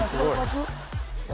いや